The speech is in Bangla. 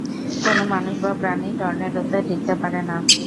কোনো মানুষ বা প্রাণী টর্নেডোতে টিকতে পারে না।